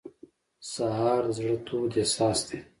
سهار د زړه تود احساس دی.